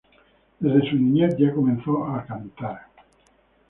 Desde su niñez ya comenzó a cantar.